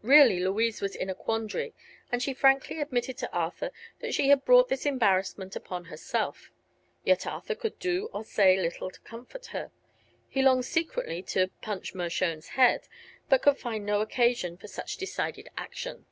Really, Louise was in a quandary, and she frankly admitted to Arthur that she had brought this embarrassment upon herself. Yet Arthur could do or say little to comfort her. He longed secretly to "punch Mershone's head," but could find no occasion for such decided action.